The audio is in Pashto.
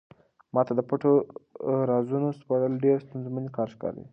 ما ته د پټو رازونو سپړل ډېر ستونزمن کار ښکاري.